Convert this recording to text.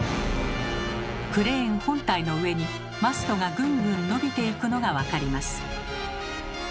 クレーン本体の上にマストがぐんぐん伸びていくのが分かります。